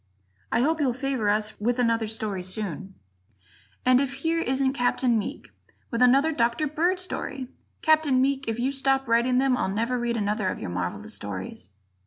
I hope you'll favor us with another story very soon. And if here isn't Capt. Meek with another Dr. Bird story! Captain Meek, if you stop writing them, I'll never read another of your marvelous stories.